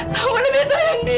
kamu lebih sayang dia